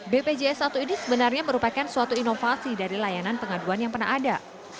bpjs satu ini sebenarnya merupakan suatu inovasi dari layanan pengaduan yang pernah ada